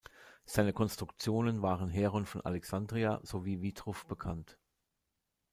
Seine Konstruktionen waren Heron von Alexandria sowie Vitruv bekannt.